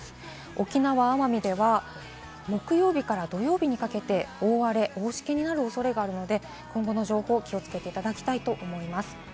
沖縄・奄美では、木曜日から土曜日にかけて大荒れ、大しけになる恐れがあるので、今後の情報に気をつけていただきたいと思います。